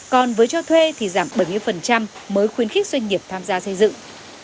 còn với cho thuê thì giảm bảy mươi mới khuyến khích doanh nghiệp tham gia xây dựng